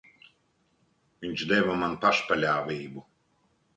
Viņš deva man pašpaļāvību.